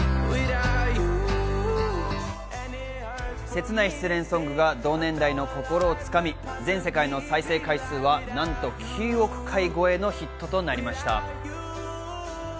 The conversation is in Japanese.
せつない失恋ソングが同年代の心を掴み、全世界の再生回数はなんと９億回超えのヒットとなりました。